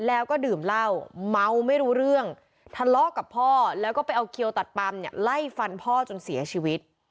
แล้วก็ดื่มเหล้าเมาไม่รู้เรื่องทะเลาะกับพ่อแล้วก็ไปเอาเขียวตัดปั๊มเนี่ยไล่ฟันพ่อจนเสียชีวิต